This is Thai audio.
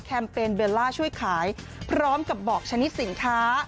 เปญเบลล่าช่วยขายพร้อมกับบอกชนิดสินค้า